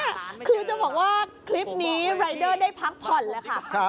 คือจะบอกว่าคลิปนี้รายเดอร์ได้พักผ่อนแล้วค่ะ